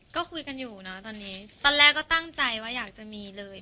ก็คุยกันอยู่นะตอนนี้ตอนแรกก็ตั้งใจว่าอยากจะมีเลย